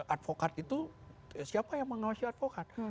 advokat itu siapa yang mengawasi advokat